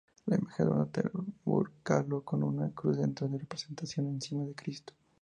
La imagen de un tabernáculo con una cruz dentro está representada encima de Cristo.